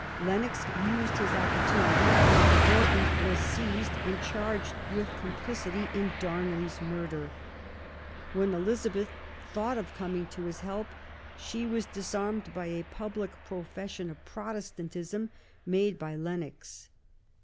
Lennox used his opportunitity ; Morton was seized and charged with complicity in Darnley's murder. When Elizabeth thought of coming to his help, she was disarmed by a public profession of Protestantism made by Lennox.